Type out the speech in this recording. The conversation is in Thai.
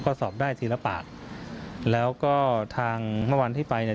ก็สอบได้ทีละปากแล้วก็ทางเมื่อวันที่ไปเนี่ย